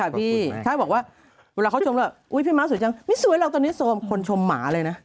พี่มี๋ก่อนใครเป็นแฟนทูลอันแท้พี่ม่าละค่ะ